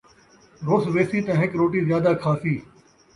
رُس ویسی تاں ہک روٹی زیادہ کھاسی